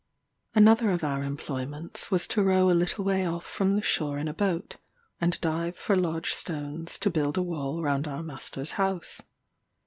Another of our employments was to row a little way off from the shore in a boat, and dive for large stones to build a wall round our master's house.